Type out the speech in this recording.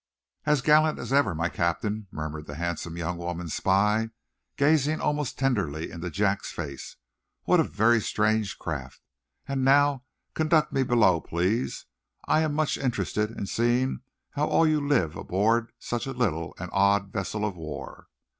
"As gallant as ever, my Captain!" murmured the handsome young woman spy, gazing almost tenderly into Jack's face. "What a very strange craft! And now, conduct me below, please. I am much interested in seeing how you all live aboard such a little and odd vessel of war."